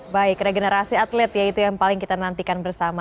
baik regenerasi atlet ya itu yang paling kita nantikan bersama